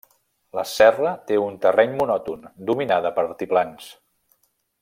La serra té un terreny monòton, dominada per altiplans.